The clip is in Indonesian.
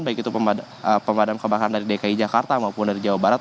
baik itu pemadam kebakaran dari dki jakarta maupun dari jawa barat